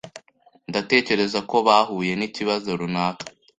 Ndatekereza ko bahuye nikibazo runaka.